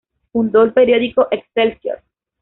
Fundó el periódico "Excelsior".